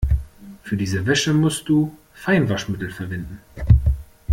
Für diese Wäsche musst du Feinwaschmittel verwenden.